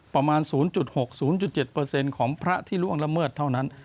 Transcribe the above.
ประมาณศูนย์จุดหกศูนย์จุดเจ็ดเปอร์เซ็นต์ของพระที่ร่วงละเมิดเท่านั้น